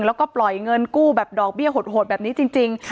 แล้วก็ปล่อยเงินกู้แบบดอกเบี้ยโหดแบบนี้จริง